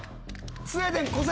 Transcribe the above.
スウェーデン越せ！